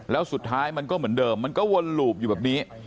แล้วสุดท้ายมันก็เหมือนเดิมมันก็วนหลูบอยู่แบบนี้